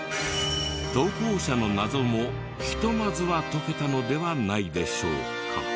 投稿者の謎もひとまずは解けたのではないでしょうか。